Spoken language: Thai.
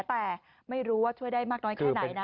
แต่ไม่รู้ว่าช่วยได้มากน้อยแค่ไหนนะ